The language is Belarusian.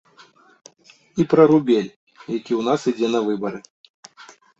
І пра рубель, які ў нас ідзе на выбары.